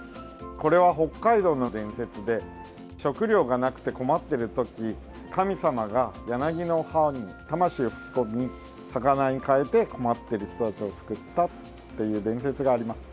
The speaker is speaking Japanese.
これは、北海道の伝説で食料がなくて困っているとき神様が柳の葉に魂をふきこみ魚に変えて、困っている人たちを救ったという伝説があります。